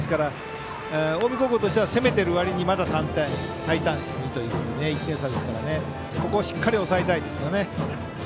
近江高校としては攻めてる割にまだ３点、３対２で１点差ですからここを、しっかり抑えたいですよね。